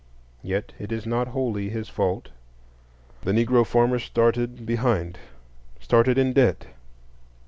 Yet it is not wholly his fault. The Negro farmer started behind,—started in debt.